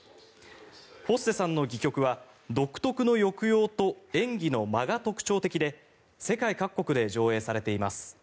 フォッセさんの戯曲は独特の抑揚と演技の間が特徴的で世界各国で上演されています。